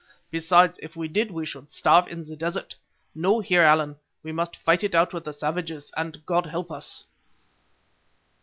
Besides, if we did we should starve in the desert. No, Heer Allan, we must fight it out with the savages, and God help us!"